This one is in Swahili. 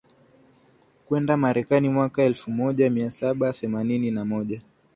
kwenda Marekani Mwaka elfumoja miasaba themanini na moja